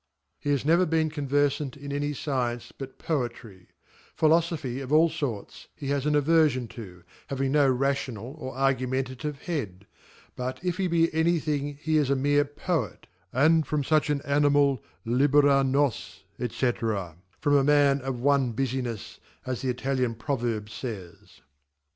He has never been converfant in any Science but Poetry \ Philofophy, of all forts, he has anaverfionto , h ay ingno ra tional or argumentative head; but, if he beanythinghe is a meerPoet: and from fuch an Animal, libera nos,^ from a man of one bufinejs, as the Italian Proverb fays.